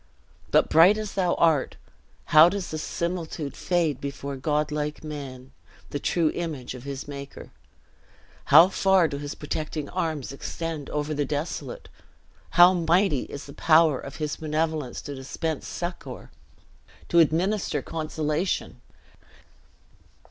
But bright as thou art, how does the similitude fade before godlike man, the true image of his Maker. How far do his protecting arms extend over the desolate! How mighty is the power of his benevolence to dispense succor, to administer consolation!"